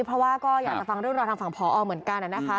เพราะว่าก็อยากจะฟังเรื่องราวทางฝั่งพอเหมือนกันนะคะ